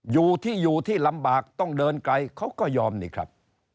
อยู่ที่อยู่ที่ลำบากต้องเดินไกลเขาก็ยอมนี่ครับ